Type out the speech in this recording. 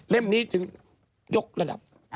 เร่มนี้จึงยกระดับ